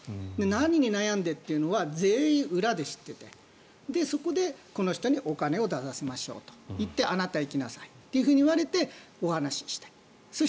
何に悩んでというのは全員、裏で知っていてそこで、この人にお金を出させましょうと言ってあなた行きなさいと言われてお話をする。